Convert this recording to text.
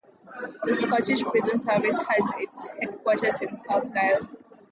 The Scottish Prison Service has its headquarters in South Gyle.